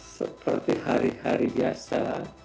seperti hari hari biasa